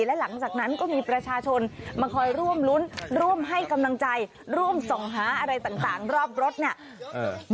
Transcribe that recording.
และหลังจากนั้นก็มีประชาชนมาคอยร่วมรุ้นร่วมให้กำลังใจร่วมส่องหาอะไรต่างรอบรถเนี่ย